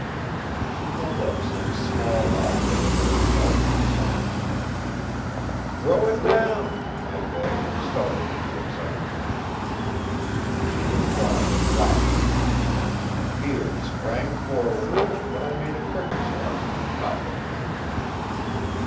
She held up some small object that shone in the sunlight. "Throw it down," I begged, startled into excitement. She complied, laughing. Vere sprang forward, but I made a quicker step and caught the thing.